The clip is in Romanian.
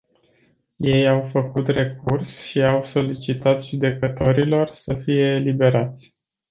Ei au făcut recurs și au solicitat judecătorilor să fie eliberați.